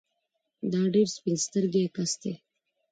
دا ډېر سپين سترګی کس دی